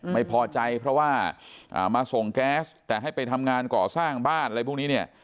ไม่พอใจเพราะว่ามาส่งแก๊สแต่ให้ไปทำงานก่อสร้างบ้านอะไรพวกนี้เนี่ย